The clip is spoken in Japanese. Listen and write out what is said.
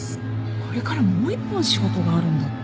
これからもう一本仕事があるんだって。